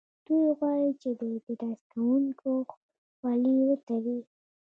دوی غواړي چې د اعتراض کوونکو خولې وتړي